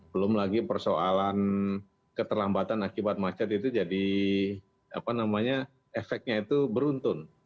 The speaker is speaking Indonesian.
belum lagi persoalan keterlambatan akibat macet itu jadi efeknya itu beruntun